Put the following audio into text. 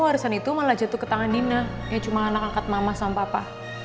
warisan itu malah jatuh ke tangan dina ya cuma anak angkat mama sama papa